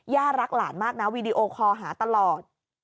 รักหลานมากนะวีดีโอคอลหาตลอด